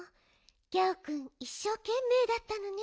ギャオくんいっしょうけんめいだったのね。